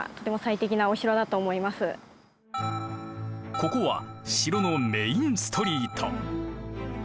ここは城のメインストリート。